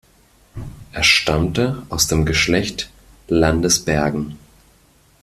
Er stammte aus dem Geschlecht Landesbergen.